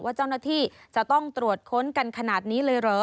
เจ้าหน้าที่จะต้องตรวจค้นกันขนาดนี้เลยเหรอ